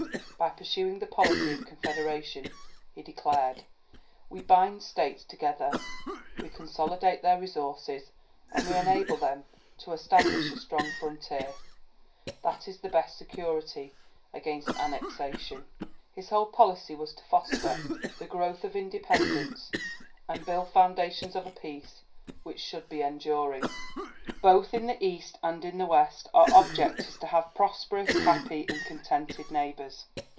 "By pursuing the policy of Confederation," he declared, "we bind states together, we consolidate their resources, and we enable them to establish a strong frontier, that is the best security against annexation." His whole policy was to foster the growth of independence and build the foundations of a peace which should be enduring. "Both in the East and in the West our object is to have prosperous, happy, and contented neighbours."